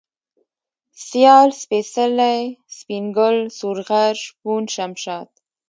سيال ، سپېڅلى ، سپين گل ، سورغر ، شپون ، شمشاد